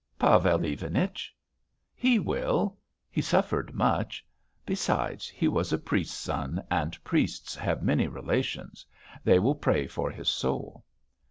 "Pavel Ivanich." "He will. He suffered much. Besides, he was a priest's son, and priests have many relations. They will pray for his soul."